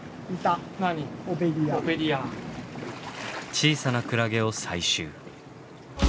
小さなクラゲを採集。